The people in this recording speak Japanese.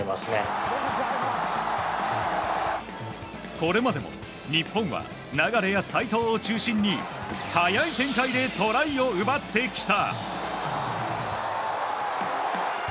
これまでも日本は流や齋藤を中心に速い展開でトライを奪ってきた。